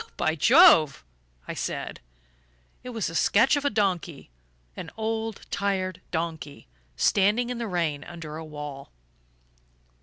"Oh, by Jove!" I said. It was a sketch of a donkey an old tired donkey, standing in the rain under a wall.